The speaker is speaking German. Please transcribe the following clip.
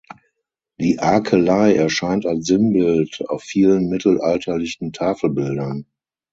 Die Akelei erscheint als Sinnbild auf vielen mittelalterlichen Tafelbildern.